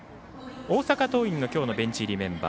大阪桐蔭の今日のベンチ入りメンバー。